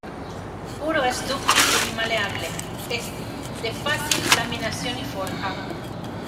Puro es dúctil y maleable, es de fácil laminación y forja.